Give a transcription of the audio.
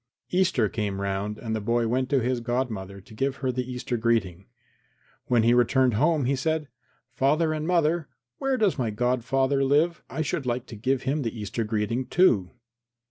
Easter came round and the boy went to his godmother to give her the Easter greeting. When he returned home he said, "Father and mother, where does my godfather live? I should like to give him the Easter greeting, too."